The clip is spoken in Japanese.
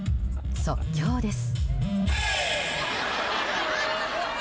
即興です。